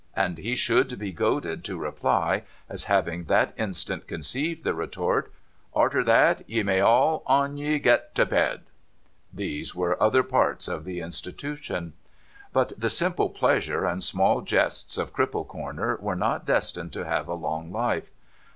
' and he should be goaded to reply, as having that instant conceived the retort, ' Arter that, ye may all on ye get to bed !' These were other parts of the Institution. But, the simple pleasures and small jests of Cripple Corner were not destined to have a long hfe.